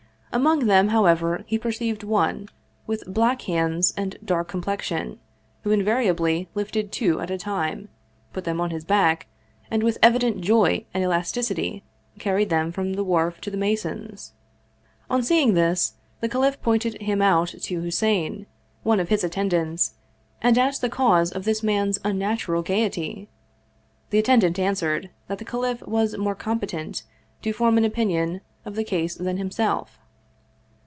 Among them, however, he perceived one, with black hands and dark complexion, who invariably lifted two at a time, put them on his back, and with evident joy and elasticity carried them from the wharf to the masons. On seeing this, the caliph pointed him out to Russian, one of his attendants, and asked the cause of this man's unnatural gayety. The attendant answered that the caliph was more competent to form an opinion of the case than himself.